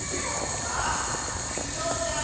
あっスイショウちゃん！